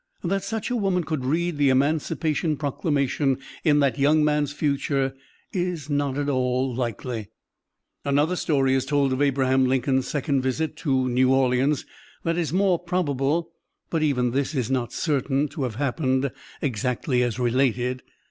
That such a woman could read the Emancipation Proclamation in that young man's future is not at all likely. Another story is told of Abraham Lincoln's second visit to New Orleans that is more probable, but even this is not certain to have happened exactly as related.